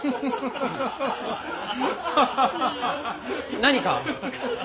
何か？